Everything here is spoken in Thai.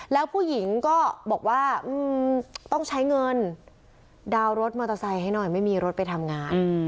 แล้วผู้หญิงก็บอกว่าต้องใช้เงินดาวน์รถมอเตอร์ไซค์ให้หน่อยไม่มีรถไปทำงาน